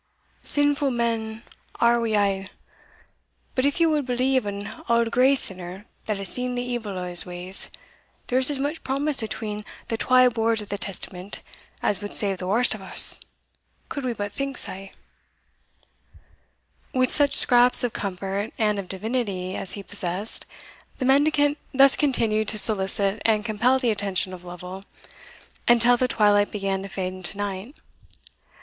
Sinfu' men are we a'; but if ye wad believe an auld grey sinner that has seen the evil o' his ways, there is as much promise atween the twa boards o' the Testament as wad save the warst o' us, could we but think sae." With such scraps of comfort and of divinity as he possessed, the mendicant thus continued to solicit and compel the attention of Lovel, until the twilight began to fade into night.